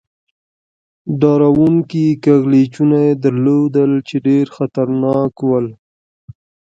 ډار و ر و نکي کږلېچونه يې درلودل، چې ډېر خطرناک ول.